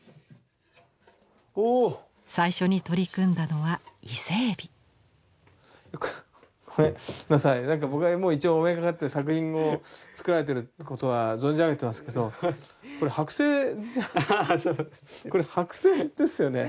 最初に取り組んだのは伊勢エビ。ごめんなさい僕はもう一応お目にかかって作品を作られてるってことは存じ上げてますけどこれ剥製じゃこれ剥製ですよね。